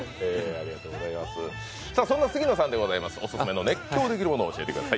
そんな杉野さんでございます、オススメの熱狂できるものを教えてください。